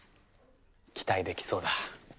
期待できそうだ。